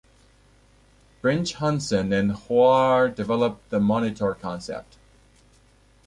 Brinch Hansen and Hoare developed the monitor concept.